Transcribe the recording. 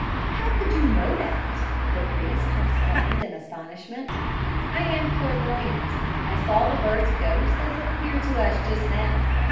"How could you know that?" the priest exclaimed in astonishment. "I am clairvoyant. I saw the bird's ghost as it appeared to us just now.